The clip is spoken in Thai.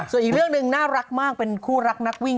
ส่วนอีกเรื่องหนึ่งน่ารักมากเป็นคู่รักนักวิ่ง